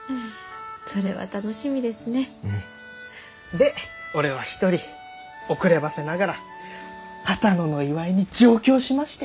で俺は一人遅ればせながら波多野の祝いに上京しまして。